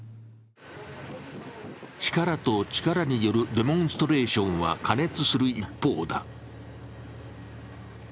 力と力によるデモンストレーションは過熱する一方だ。